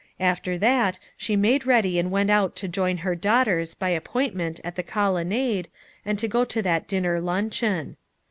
After that, she made ready and went out to join her daughters hy appointment at the Colonnade, and go to that dinner luncheon.